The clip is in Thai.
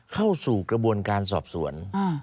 เข้าสู่กระบวนการสอบสวน